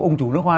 ông chủ nước hoa